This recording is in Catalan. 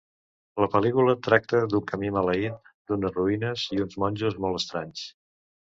La pel·lícula tracta d'un camí maleït d'unes ruïnes i uns monjos molt estranys.